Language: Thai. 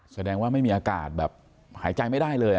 แสดงว่าไม่มีอากาศแบบหายใจไม่ได้เลย